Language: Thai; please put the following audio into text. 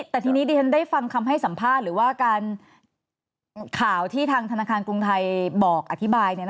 แต่ทีนี้ดิฉันได้ฟังคำให้สัมภาษณ์หรือว่าการข่าวที่ทางธนาคารกรุงไทยบอกอธิบาย